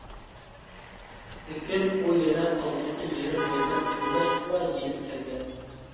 لېكىن ئۇ يەنە ئالدىنقى يېرىم مەيدان تۈگىمەستىلا يېنىپ كەلگەن.